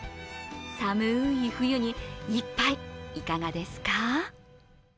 寒い冬に一杯いかがですか？